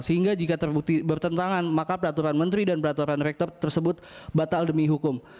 sehingga jika terbukti bertentangan maka peraturan menteri dan peraturan rektor tersebut batal demi hukum